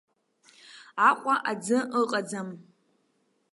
Аҟәа аӡы ыҟаӡам.